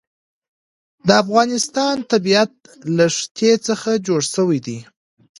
د افغانستان طبیعت له ښتې څخه جوړ شوی دی.